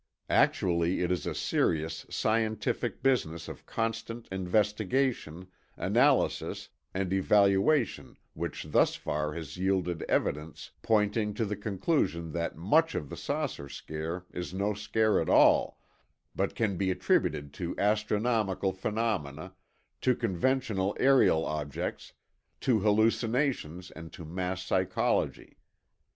Actually, it is a serious, scientific business of constant investigation, analysis and evaluation which thus far has yielded evidence pointing to the conclusion that much of the saucer scare is no scare at all, but can be attributed to astronomical phenomena, to conventional aerial objects, to hallucinations and to mass psychology.